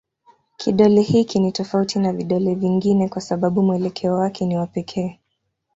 Kidole hiki ni tofauti na vidole vingine kwa sababu mwelekeo wake ni wa pekee.